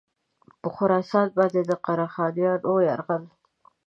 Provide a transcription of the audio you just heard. پر خراسان باندي د قره خانیانو یرغل.